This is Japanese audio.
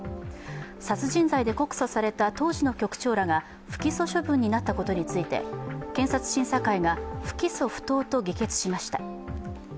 殺人罪で告訴された当時の局長らが不起訴処分になったことについて検察審査会が不起訴不当と議決しました。